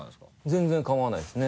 全然構わないですね。